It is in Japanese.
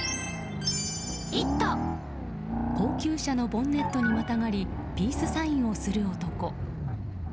高級車のボンネットにまたがりピースサインをする男。